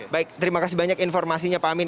baik terima kasih banyak informasinya pak amin